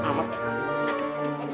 aduh aduh aduh